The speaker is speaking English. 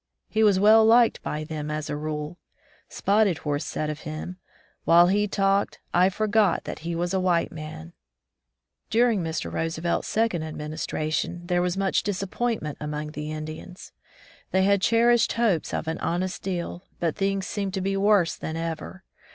He was well liked by them as a rule. Spotted Horse said of him, "While he talked, I forgot that he was a white man." During Mr. Roosevelt*s second admin istration, there was much disappointment among the Indians. They had cherished hopes of an honest deal^ but things seemed to be worse than ever.